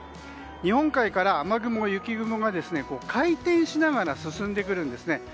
日本海から雨雲、雪雲が回転しながら進んでくるんですね。